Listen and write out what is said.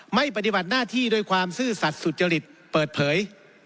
ปฏิบัติหน้าที่ด้วยความซื่อสัตว์สุจริตเปิดเผย